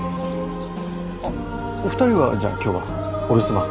あっお二人はじゃあ今日はお留守番？